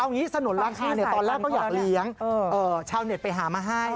อย่างนี้สนุนราคาเนี่ยตอนแรกเขาอยากเลี้ยงชาวเน็ตไปหามาให้